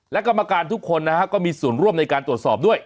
และกรรมการทุกคนนะฮะก็มีส่วนร่วมในการตรวจสอบด้วย